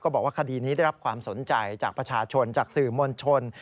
บอกว่าคดีนี้ได้รับความสนใจจากประชาชนจากสื่อมวลชน